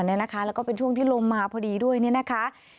นั่นนะคะแล้วก็เป็นช่วงที่ลมมาพอดีด้วยนี่นะคะ